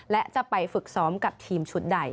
และจะไปฝึกซ้อมกับทีมชุดใด